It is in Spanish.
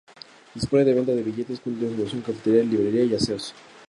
Dispone de venta de billetes, punto de información, cafetería, librería y aseos.